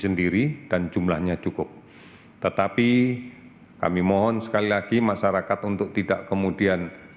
sendiri dan jumlahnya cukup tetapi kami mohon sekali lagi masyarakat untuk tidak kemudian